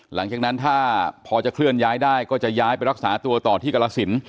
หลังจากนั้นถ้าพอจะเคลื่อนย้ายได้ก็จะย้ายไปรักษาตัวต่อที่กรสิน